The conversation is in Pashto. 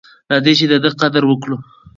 راځئ چې د ده قدر وکړو.